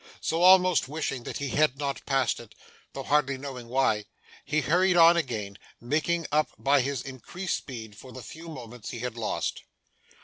So, almost wishing that he had not passed it, though hardly knowing why, he hurried on again, making up by his increased speed for the few moments he had lost.